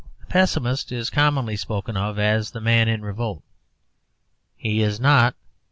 The pessimist is commonly spoken of as the man in revolt. He is not.